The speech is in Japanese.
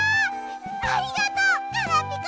ありがとうガラピコ！